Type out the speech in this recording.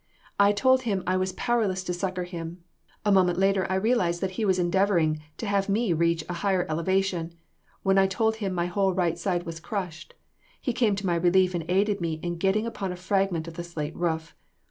I told him I was powerless to succor him. A moment later I realized that he was endeavoring to have me reach a higher elevation, when I told him my whole right side was crushed; he came to my relief and aided me in getting upon a fragment of the slate roof.